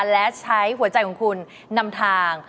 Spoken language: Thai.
และใช้หัวใจของคุณนำทาง